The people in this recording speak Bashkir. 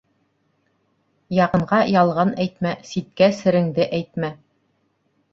Яҡынға ялған әйтмә, ситкә сереңде әйтмә.